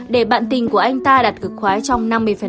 để bạn tình của anh ta đặt cược khoái trong năm mươi